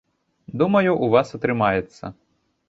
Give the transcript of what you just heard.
Думаю, у вас атрымаецца.